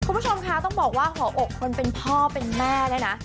คุณผู้ชมคะต้องบอกว่าหัวอกคนเป็นพ่อเป็นแม่เนี่ยนะ